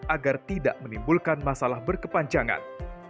agar tidak menimbulkan masalah berkepanjangan